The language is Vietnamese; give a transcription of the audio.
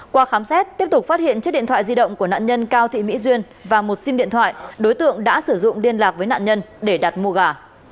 qua khám xét tiếp tục phát hiện chiếc điện thoại di động của nạn nhân cao thị mỹ duyên và một sim điện thoại đối tượng đã sử dụng liên lạc với nạn nhân để đặt mua gà